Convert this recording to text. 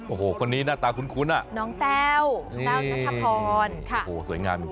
โอ้โหคนนี้หน้าตาคุ้นอ่ะน้องแต้วแต้วนัทพรค่ะโอ้โหสวยงาม